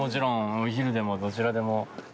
お昼でもどちらでも。